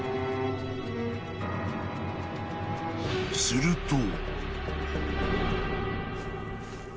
［すると］